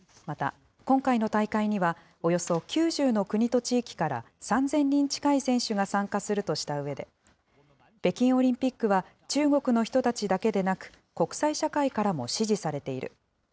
また、今回の大会には、およそ９０の国と地域から３０００人近い選手が参加するとしたうえで、北京オリンピックは中国の人たちだけでなく、国際社会からも支持されている。